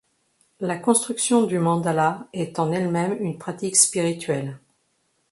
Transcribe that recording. La construction du mandala est en elle-même une pratique spirituelle.